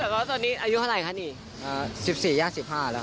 ไม่ตอนนี้อายุเท่าไรคะนี่๑๔ย่าง๑๕แล้ว